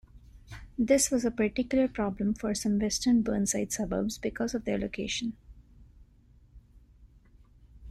This was a particular problem for some western Burnside suburbs because of their location.